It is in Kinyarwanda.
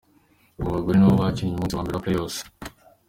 Mu bagore naho bakinnye umunsi wa mbere wa playoffs.